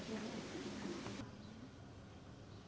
ข้ามไปก่อนไปนะ